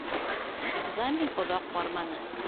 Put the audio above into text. Экзамен оҙаҡ барманы